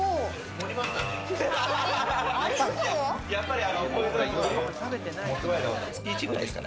盛りましたね。